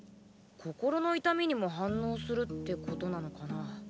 心の痛みにも反応するってことなのかな。